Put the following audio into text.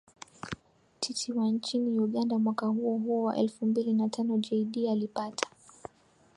Titi wa nchini Uganda mwaka huo huo wa elfu mbili na tano Jaydee alipata